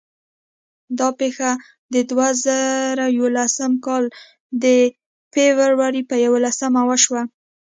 دا پېښه د دوه زره یولسم کال د فبرورۍ په یوولسمه وشوه.